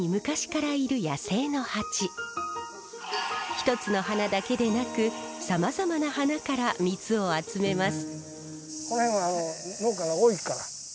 一つの花だけでなくさまざまな花から蜜を集めます。